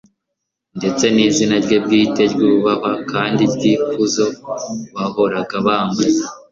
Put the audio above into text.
ndetse n'izina rye bwite ryubahwa kandi ry'ikuzo bahoraga bamgaza